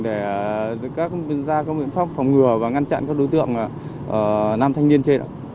để giữ các người ra công viên phóng ngừa và ngăn chặn các đối tượng nam thanh niên trên